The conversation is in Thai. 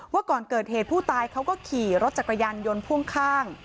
ก่อนเกิดเหตุผู้ตายเขาก็ขี่รถจักรยานยนต์พ่วงข้าง